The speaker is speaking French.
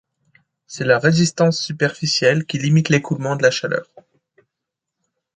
C’est la résistance superficielle qui limite l’écoulement de la chaleur.